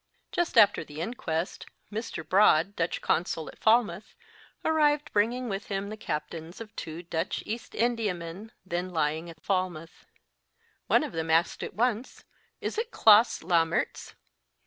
Just after the inquest Mr. Broad, Dutch Consul at Falmouth, arrived, bringing with him the captains of two Dutch East MR. AND MHS. QUILLER COUCH Indiamen then lying at Falmouth. One of them asked at once Is it Klaas Lammerts s